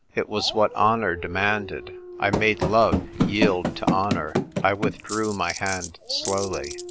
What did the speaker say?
It was what honour demanded ; I made love yield to honour." I withdrew my hand slowly.